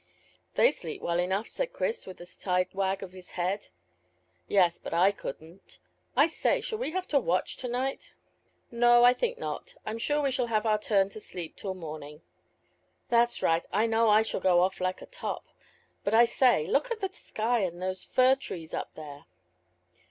"They sleep well enough," said Chris, with a side wag of the head. "Yes; but I couldn't. I say, shall we have to watch to night?" "No, I think not. I'm sure we shall have our turn to sleep till morning." "That's right. I know I shall go off like a top. But I say, look at the sky and those fir trees up there."